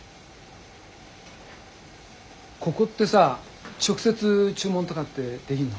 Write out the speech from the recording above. ここってさ直接注文とかってできんの？